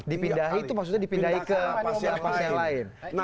dipindahi itu maksudnya dipindahi ke pasien lain